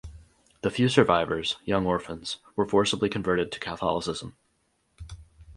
The few survivors-young orphans-were forcibly converted to Catholicism.